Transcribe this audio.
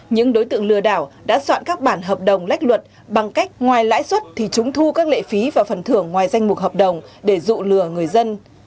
những đối tượng lừa đảo đã soạn các bản hợp đồng lách luật bằng cách ngoài lãi suất thì chúng thu các lệ phí và phần thưởng ngoài danh mục hợp đồng để dụ lừa người dân